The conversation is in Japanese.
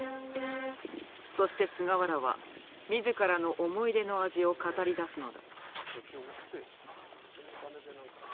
そして菅原は自らの思い出の味を語り出すのだ。